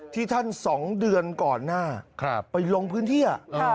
ที่ท่าน๒เดือนก่อนหน้าไปลงพื้นที่